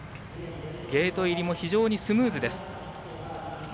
ゲート入りも非常にスムーズです。